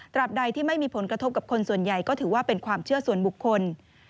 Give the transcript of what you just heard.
ใดที่ไม่มีผลกระทบกับคนส่วนใหญ่ก็ถือว่าเป็นความเชื่อส่วนบุคคล